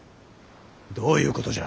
どういうことじゃ。